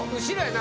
な